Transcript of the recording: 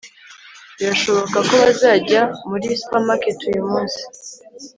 Birashoboka ko bazajya muri supermarket uyumunsi